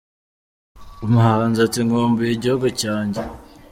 Umuhanzi ati nkumbuye igihugu cyanjye